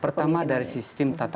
pertama dari sistem tata